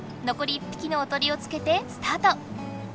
１ぴきのおとりをつけてスタート！